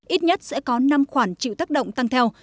ít nhất sẽ có năm khoản chịu tác động tăng theo